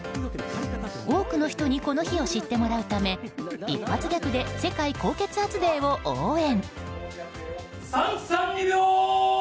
多くの人にこの日を知ってもらうため一発ギャグで世界高血圧デーを応援。